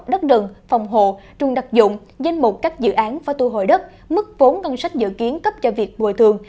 đất đường phòng hồ trung đặc dụng danh mục các dự án phá tu hội đất mức vốn ngân sách dự kiến cấp cho việc bồi thường